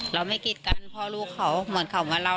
เราไม่กีดกันพ่อลูกเขาเหมือนเขามาเล่า